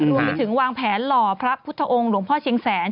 รวมไปถึงวางแผนหล่อพระพุทธองค์หลวงพ่อเชียงแสน